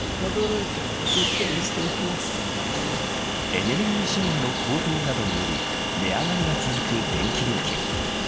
エネルギー資源の高騰などにより値上がりが続く、電気料金。